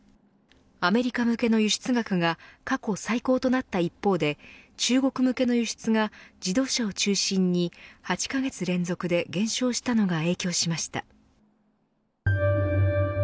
アメリカ向けの輸出額が過去最高となった一方で中国向けの輸出が自動車を中心に８カ月連続で減少したのが影響しました。